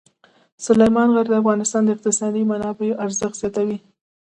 سلیمان غر د افغانستان د اقتصادي منابعو ارزښت زیاتوي.